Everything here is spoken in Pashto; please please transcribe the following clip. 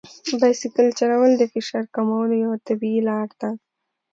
بایسکل چلول د فشار کمولو یوه طبیعي لار ده.